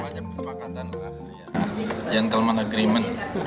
semacam kesepakatan gentleman agreement